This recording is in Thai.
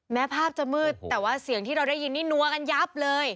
ภาพจะมืดแต่ว่าเสียงที่เราได้ยินนี่นัวกันยับเลย